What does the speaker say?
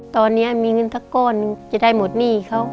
ตอนนี้มีเงินสักก้อนหนึ่งจะได้หมดหนี้เขา